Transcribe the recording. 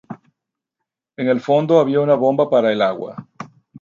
En el fondo había una bomba para el agua.